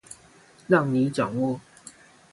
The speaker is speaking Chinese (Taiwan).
讓你掌握